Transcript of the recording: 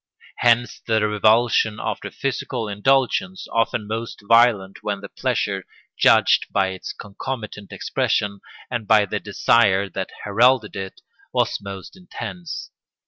Hence the revulsion after physical indulgence, often most violent when the pleasure—judged by its concomitant expression and by the desire that heralded it—was most intense.